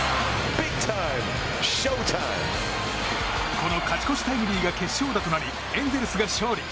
この勝ち越しタイムリーが決勝打となりエンゼルスが勝利。